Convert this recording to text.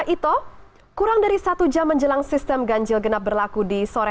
ito kurang dari satu jam menjelang sistem ganjil genap berlaku di sore